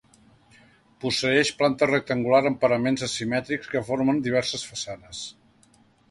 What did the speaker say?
Posseeix planta rectangular amb paraments asimètrics que formen diverses façanes.